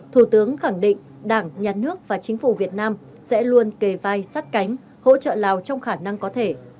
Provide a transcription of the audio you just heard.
thủ tướng khẳng định đảng nhà nước và chính phủ việt nam sẽ luôn kề vai sát cánh hỗ trợ lào trong khả năng có thể